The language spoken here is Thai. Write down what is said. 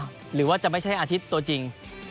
หรือว่าจะไม่ใช่อาทิตย์ตัวจริง